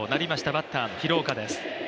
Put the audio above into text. バッター・廣岡です。